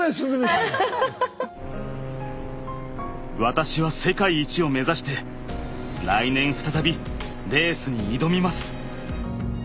私は世界一を目指して来年再びレースに挑みます。